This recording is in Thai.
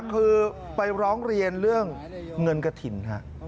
คือไปร้องเรียนเรื่องเงินกระถิ่นฮะ